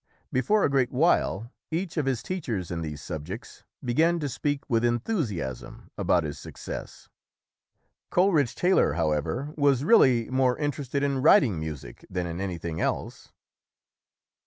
Before a great while, each of his teachers in these subjects began to speak with enthusiasm about his success. Coleridge Taylor, however, was really more interested in writing music than in anything else.